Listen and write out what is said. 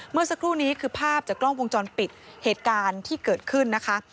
เมื่อสักครู่นี้คือภาพจากกล้องวงจรปิดเหตุการณ์ที่เกิดขึ้นนะคะ